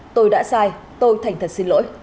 tôi đã sai tôi thành thật xin lỗi